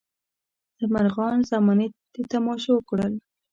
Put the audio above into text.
څه مرغان زمانې د تماشو کړل.